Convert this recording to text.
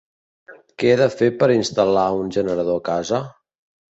Què he de fer per instal·lar un generador a casa?